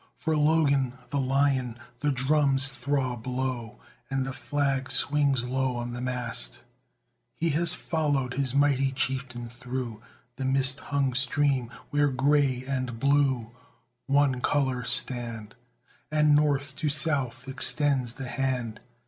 For Logan, the lion, the drums throb low And the flag swings low on the mast; He has followed his mighty chieftain through The mist hung stream, where gray and blue One color stand, And North to South extends the hand.